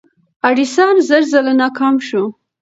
ایډیسن زر ځله ناکام شو.